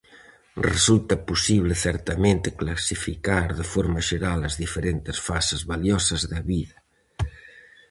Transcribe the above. Resulta posible certamente clasificar de forma xeral as diferentes fases valiosas da vida.